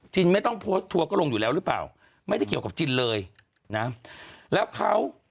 จินไม่ต้องโพสต์ทัวร์ก็ลงอยู่แล้วหรือเปล่า